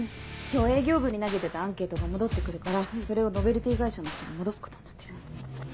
今日営業部に投げてたアンケートが戻って来るからそれをノベルティ会社の人に戻すことになってる。